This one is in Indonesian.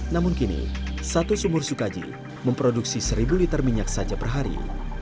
namun kini satu sumur sukaji memproduksi seribu liter minyak saja per hari